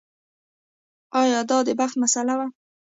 ایا دا د بخت مسئله وه.